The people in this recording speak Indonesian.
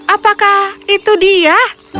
apakah itu dia